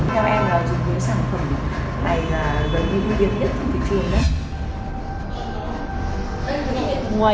theo em là dùng những sản phẩm này là gần ưu biệt nhất trên thị trường đấy